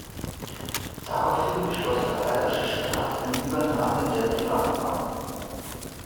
Daraufhin beschloss der bayerische Staat eine Übernahme der Privatbahn.